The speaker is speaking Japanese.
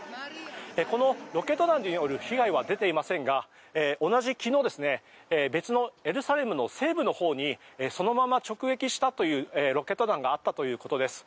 このロケット弾による被害は出ていませんが同じ昨日別のエルサレムの西部のほうにそのまま直撃したというロケット弾があったということです。